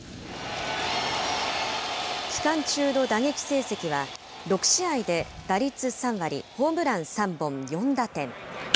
期間中の打撃成績は、６試合で打率３割、ホームラン３本、４打点。